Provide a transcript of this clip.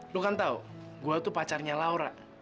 lo kan tau gue tuh pacarnya laura